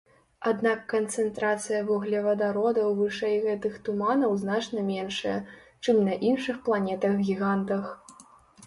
Аднак канцэнтрацыя вуглевадародаў вышэй гэтых туманаў значна меншая, чым на іншых планетах-гігантах.